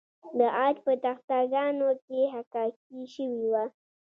د عاج په تخته ګانو کې حکاکي شوې وه